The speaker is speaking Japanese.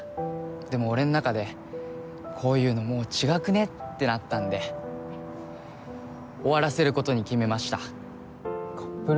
でも俺の中でこういうのもう違くね？ってなったんで終わらせることに決めました。